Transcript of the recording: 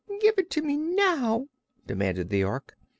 "Give it me now!" demanded the Ork.